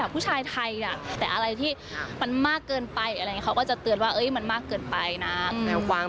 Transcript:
คืออารมณ์เหมือนฝรั่ง